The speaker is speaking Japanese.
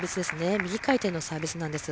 右回転のサービスなんです。